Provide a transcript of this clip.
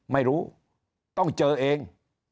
ไม่รู้ต้องเจอเอง